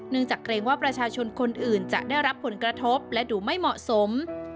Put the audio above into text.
จากเกรงว่าประชาชนคนอื่นจะได้รับผลกระทบและดูไม่เหมาะสม